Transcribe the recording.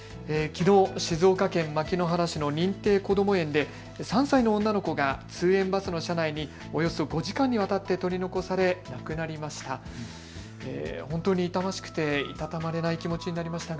きのう静岡県牧之原市の認定こども園で３歳の女の子が通園バスの車内におよそ５時間にわたって取り残され亡くなりました。